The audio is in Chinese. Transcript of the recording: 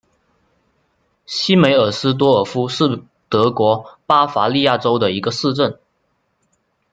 西梅尔斯多尔夫是德国巴伐利亚州的一个市镇。